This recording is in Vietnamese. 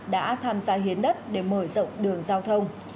đã tham gia hiến đất để mở rộng đường giao thông